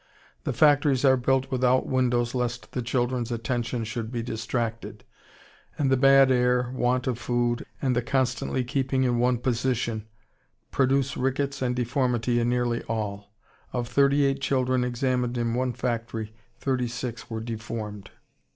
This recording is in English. The factories are built without windows lest the children's attention should be distracted, and the bad air, want of food, and the constantly keeping in one position produce rickets and deformity in nearly all. Of thirty eight children examined in one factory, thirty six were deformed.